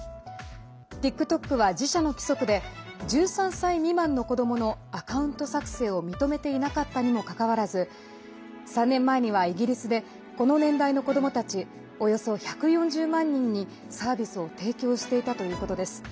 ＴｉｋＴｏｋは自社の規則で１３歳未満の子どものアカウント作成を認めていなかったにもかかわらず３年前にはイギリスでこの年代の子どもたちおよそ１４０万人にサービスを提供していたということです。